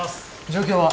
状況は？